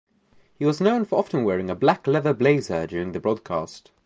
He was known for often wearing a black leather blazer during the broadcast.